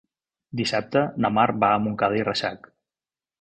Dissabte na Mar va a Montcada i Reixac.